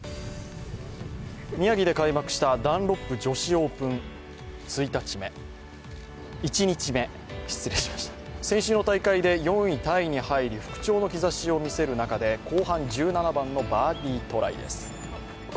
宮城で開幕したダンロップ女子オープン１日目先週の大会で４位タイに入り、復調の兆しを見せる中で後半１７番のバーディートライです。